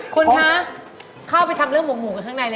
คุณคะเข้าไปทำเรื่องหมูกันข้างในเลย